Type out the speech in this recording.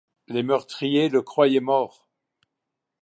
Les meurtriers le croyaient mort.